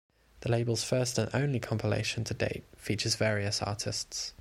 The label's first and only compilation to date featured various artists.